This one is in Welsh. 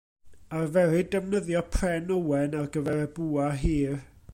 Arferid defnyddio pren ywen ar gyfer y bwa hir.